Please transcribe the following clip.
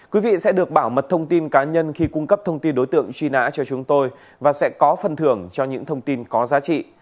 quý vị sẽ được bảo mật thông tin cá nhân khi cung cấp thông tin đối tượng truy nã cho chúng tôi và sẽ có phần thưởng cho những thông tin có giá trị